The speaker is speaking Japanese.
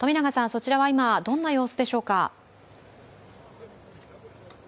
そちらは今、どんな様子でしょうか？